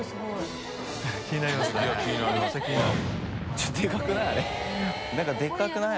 ちょっとでかくない？